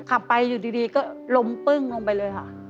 ขับไปอยู่ดีก็ล้มปึ้งลงไปเลยค่ะ